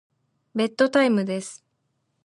ベッドタイムです。